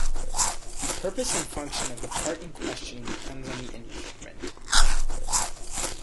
The purpose and function of the part in question depends on the instrument.